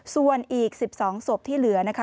ส่วนอีก๑๒ศพที่เหลือนะคะ